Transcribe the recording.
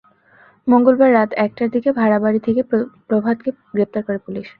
মঙ্গলবার রাত একটার দিকে ভাড়া বাড়ি থেকে প্রভাতকে গ্রেপ্তার করে পুলিশ।